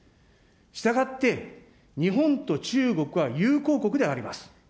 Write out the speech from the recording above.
したがって、日本と中国は友好国であります。